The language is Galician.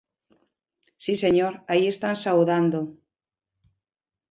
Si, señor, aí están saudando.